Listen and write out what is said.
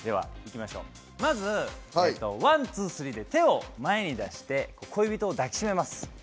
まずワン、ツー、スリーで手を前に出して恋人を抱き締めます。